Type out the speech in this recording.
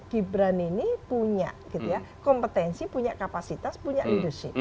gibran ini punya kompetensi punya kapasitas punya leadership